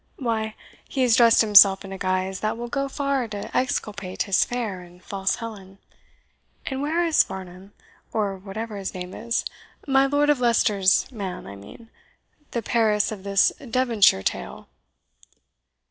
Why, he has dressed himself in a guise that will go far to exculpate his fair and false Helen. And where is Farnham, or whatever his name is my Lord of Leicester's man, I mean the Paris of this Devonshire tale?"